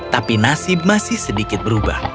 tapi nasib masih sedikit berubah